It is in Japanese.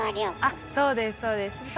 そうですそうです。